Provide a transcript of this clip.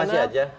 dan informasi aja